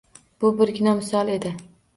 Bu birgina misol edi.